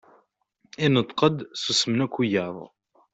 Ineṭeq-d susemen akka wiyaḍ.